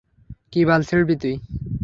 কী বাল ছিড়বি তুই?